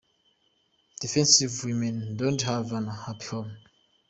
Defensive women don’t have a happy home.